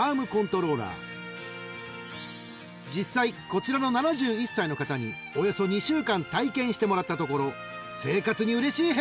［実際こちらの７１歳の方におよそ２週間体験してもらったところ］